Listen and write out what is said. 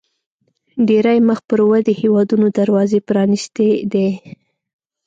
ډېری مخ پر ودې هیوادونو دروازې پرانیستې دي.